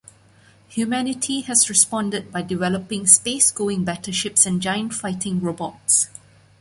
Humanity has responded by developing space-going battleships and giant fighting robots.